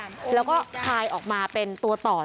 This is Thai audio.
เป็นพระรูปนี้เหมือนเคี้ยวเหมือนกำลังทำปากขมิบท่องกระถาอะไรสักอย่าง